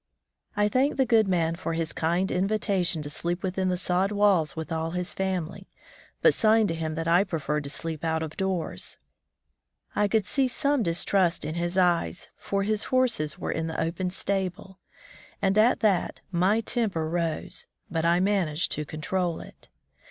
I thanked the good man for his kind invitation to sleep within the sod walls with all his family, but signed to him that I preferred to sleep out of doors. I could see some distrust in his eyes, for his horses were in the open stable; and at that my temper rose, but I managed to control it.